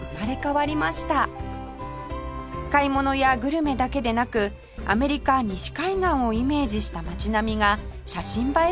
買い物やグルメだけでなくアメリカ西海岸をイメージした街並みが写真映え